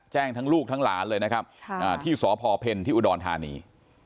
แจ้งทั้งลูกทั้งหลานเลยนะครับที่สพเพ็ญที่อุดรธานี